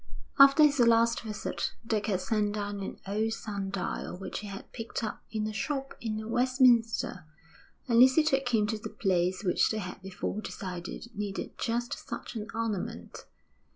After his last visit, Dick had sent down an old sundial which he had picked up in a shop in Westminster, and Lucy took him to the place which they had before decided needed just such an ornament.